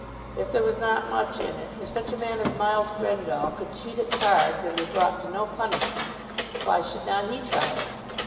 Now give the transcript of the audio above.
If there was not much in it, if such a man as Miles Grendall could cheat at cards and be brought to no punishment, why should not he try it?